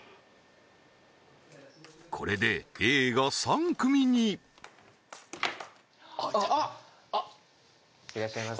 これでＡが３組にあっあっいらっしゃいませ